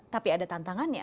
tapi ada tantangannya